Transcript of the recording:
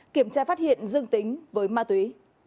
kiểm tra phát hiện dương tính với ma túy